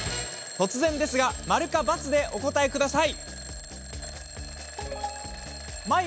突然ですが〇か×でお答えください！